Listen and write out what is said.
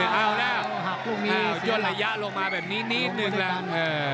เอาแล้วย่นระยะลงมาแบบนี้นิดนึงแล้ว